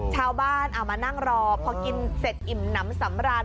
ชาวบ้านเอามานั่งรอพอกินเสร็จอิ่มน้ำสำราญ